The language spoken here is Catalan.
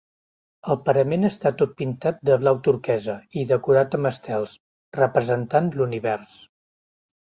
El parament està tot pintat de blau turquesa i decorat amb estels, representant l'univers.